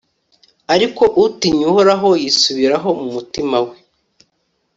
ariko utinya uhoraho yisubiraho mu mutima we